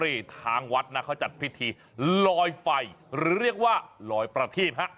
พระราชินบุรีทางวัดนะเขาจัดพิธีลอยไฟหรือเรียกว่าลอยประทีปฮะ